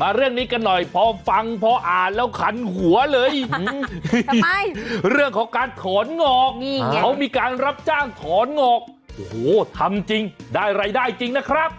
มาเรื่องนี้กันหน่อยพอฟังพออ่านแล้วขันหัวเลยเรื่องของการถอนงอกเขามีการรับจ้างถอนงอกโอ้โหทำจริงได้รายได้จริงนะครับ